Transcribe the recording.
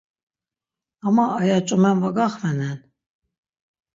Ama aya ç̌umen va gaxvenen.